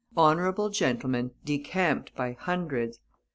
Honorable gentlemen decamped by hundreds.